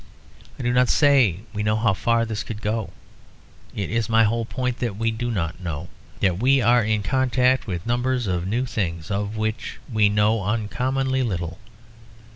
I do not say we know how far this could go; it is my whole point that we do not know, that we are in contact with numbers of new things of which we know uncommonly little.